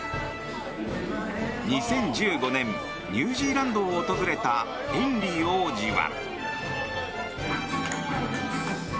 ２０１５年ニュージーランドを訪れたヘンリー王子は。